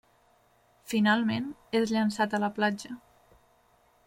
Finalment, és llançat a la platja.